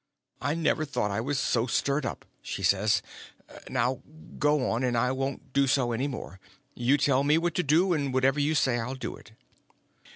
"I never thought, I was so stirred up," she says; "now go on, and I won't do so any more. You tell me what to do, and whatever you say I'll do it."